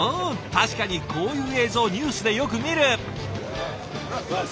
確かにこういう映像ニュースでよく見る！